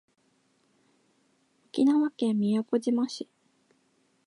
沖縄県宮古島市